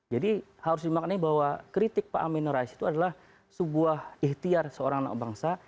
jadi harus dimakanai bahwa kritik pak amin rais itu adalah sebuah ikhtiar seorang anak bangsa